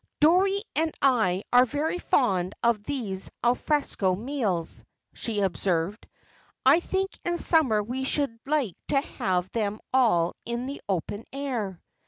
"Dorrie and I are very fond of these al fresco meals," she observed. "I think in summer we should like to have them all in the open air."